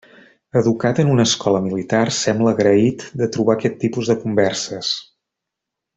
Educat en una escola militar, sembla agraït de trobar aquest tipus de converses.